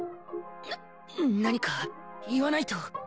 な何か言わないと